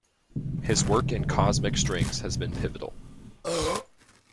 His work in cosmic strings has been pivotal.